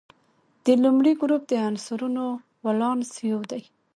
د لومړي ګروپ د عنصرونو ولانس یو دی.